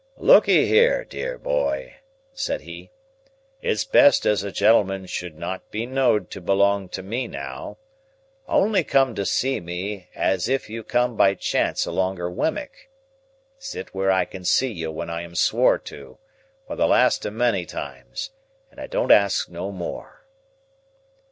"Lookee here, dear boy," said he "It's best as a gentleman should not be knowed to belong to me now. Only come to see me as if you come by chance alonger Wemmick. Sit where I can see you when I am swore to, for the last o' many times, and I don't ask no more."